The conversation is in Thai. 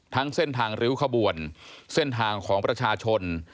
ทั้งเส้นทางริ้วขบวนเส้นทางของประชาชน